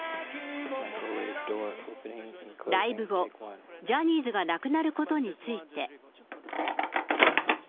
ライブ後、ジャニーズがなくなることについて。